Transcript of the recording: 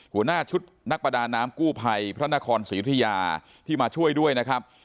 หัวหน้าชุดนักประดาน้ำกู้ภัยพระนครศรียุธยาที่มาช่วยด้วยนะครับ